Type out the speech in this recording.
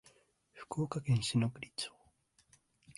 福岡県篠栗町